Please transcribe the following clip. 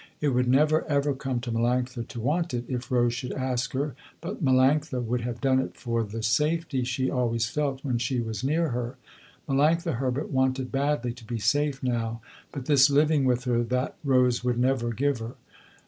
It would never ever come to Melanctha to want it, if Rose should ask her, but Melanctha would have done it for the safety she always felt when she was near her. Melanctha Herbert wanted badly to be safe now, but this living with her, that, Rose would never give her.